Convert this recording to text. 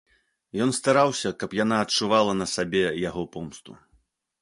Ён стараўся, каб яна адчувала на сабе яго помсту.